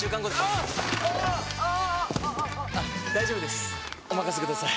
ニャー大丈夫ですおまかせください！